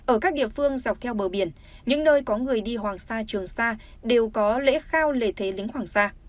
ở các địa phương dọc theo bờ biển những nơi có người đi hoàng sa trường sa đều có lễ khao lễ thế lính hoàng sa